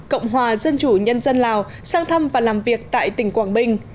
cộng hòa dân chủ nhân dân lào sang thăm và làm việc tại tỉnh quảng bình